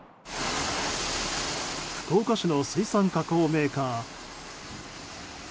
福岡市の水産加工メーカー。